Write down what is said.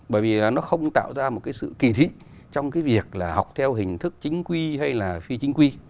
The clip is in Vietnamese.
bởi vì nó không tạo ra một cái sự kỳ thị trong cái việc là học theo hình thức chính quy hay là phi chính quy